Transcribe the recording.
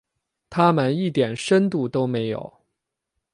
他们一点深度都没有。